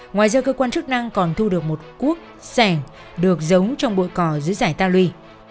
ngoài ra cơ quan chức năng còn thu được một cuốc sẻng được giống trong bội cò dưới giải ta luy